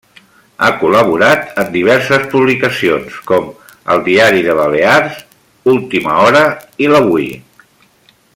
Ha col·laborat en diverses publicacions com Diari de Balears, Última Hora i l'Avui.